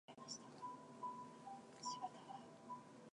Do not allow children to share snacks from home.